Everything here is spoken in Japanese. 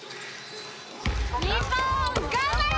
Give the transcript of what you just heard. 日本、頑張れ！